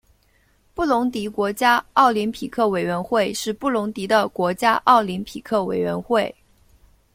布隆迪国家奥林匹克委员会是布隆迪的国家奥林匹克委员会。